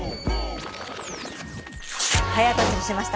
早とちりしました！